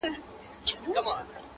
پر کابل مي جنګېدلی بیرغ غواړم -